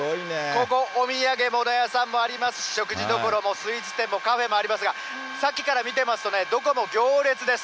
ここ、お土産物屋さんもありますし、食事処もスイーツ店もカフェもありますが、さっきから見てますとね、どこも行列です。